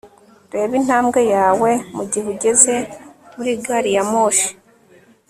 Reba intambwe yawe mugihe ugeze muri gari ya moshi